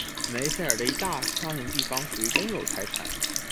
梅费尔的一大片地方属于公有财产。